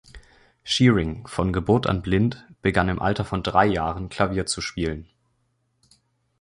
Shearing, von Geburt an blind, begann im Alter von drei Jahren, Klavier zu spielen.